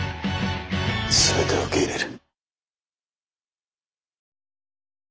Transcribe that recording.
全てを受け入れる。